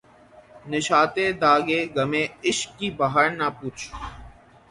نشاطِ داغِ غمِ عشق کی بہار نہ پُوچھ